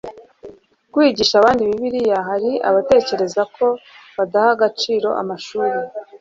kwigisha abandi Bibiliya hari abatekereza ko badaha agaciro amashuri